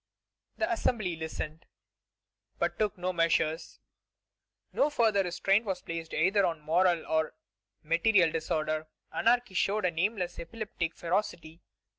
'" The Assembly listened, but took no measures. No further restraint was placed either on moral or material disorder. Anarchy showed a nameless epileptic ferocity.